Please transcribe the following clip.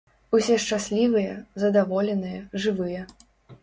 Усе шчаслівыя, задаволеныя, жывыя.